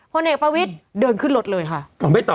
พลเอกประวิทย์เดินขึ้นรถเลยค่ะ